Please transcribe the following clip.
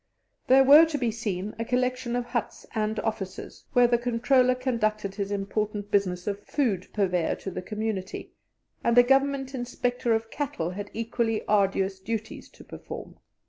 There were to be seen a collection of huts and offices, where the Controller conducted his important business of food purveyor to the community, and a Government inspector of cattle had equally arduous duties to perform.